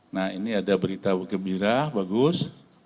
nah ini ada berita gembira bagus